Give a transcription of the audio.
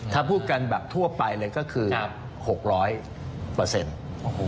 ถ้าพูดกันแบบทั่วไปเลยก็คือ๖๐๐เปอร์เซ็นต์โอ้โห